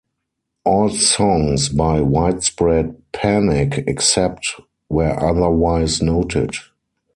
All songs by Widespread Panic except where otherwise noted.